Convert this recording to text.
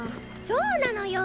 そうなのよ